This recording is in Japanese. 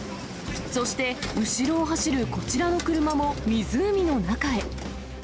そして後ろを走るこちらの車も湖の中へ。